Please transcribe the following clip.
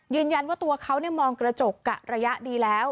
ยืนยันว่าตัวเขามองกระจกกะระยะดีแล้ว